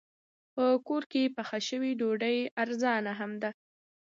په کور کې پخه شوې ډوډۍ ارزانه هم ده.